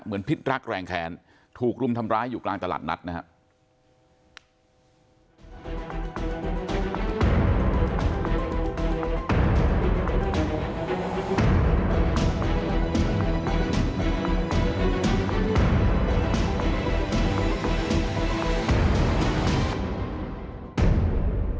พิษรักแรงแค้นถูกรุมทำร้ายอยู่กลางตลาดนัดนะครับ